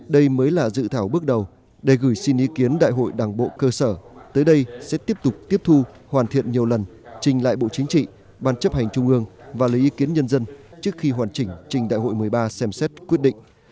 đây mới là dự thảo bước đầu để gửi xin ý kiến đại hội đảng bộ cơ sở tới đây sẽ tiếp tục tiếp thu hoàn thiện nhiều lần trình lại bộ chính trị ban chấp hành trung ương và lấy ý kiến nhân dân trước khi hoàn chỉnh trình đại hội một mươi ba xem xét quyết định